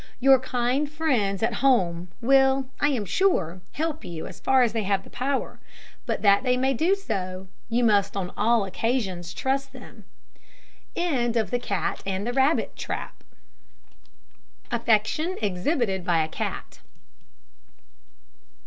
Your kind friends at home will, I am sure, help you as far as they have the power; but, that they may do so, you must on all occasions trust them. AFFECTION EXHIBITED BY A CAT.